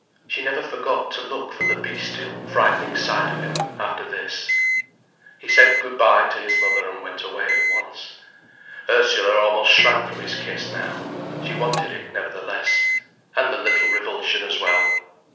She never forgot to look for the bestial, frightening side of him, after this. He said "Good bye" to his mother and went away at once. Ursula almost shrank from his kiss, now. She wanted it, nevertheless, and the little revulsion as well.